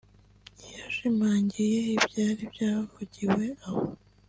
yashimangiye ibyari byavugiwe aho